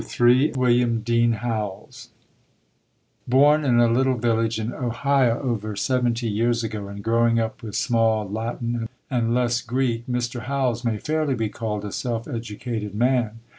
III WILLIAM DEAN HOWELLS Born in a little village in Ohio over seventy years ago, and growing up with small Latin and less Greek, Mr. Howells may fairly be called a self educated man.